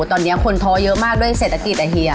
ตอนนี้คนท้อเยอะมากด้วยเศรษฐกิจอ่ะเฮีย